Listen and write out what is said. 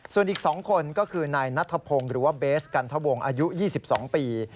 ส่วนอีก๒คนก็คือนายนัทพงศ์หรือว่าเบสกันทะวงอายุ๒๒ปี